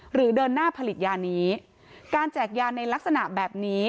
เดินหน้าผลิตยานี้การแจกยาในลักษณะแบบนี้